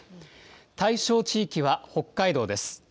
対象地域は北海道です。